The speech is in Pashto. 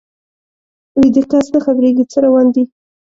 ویده کس نه خبریږي څه روان دي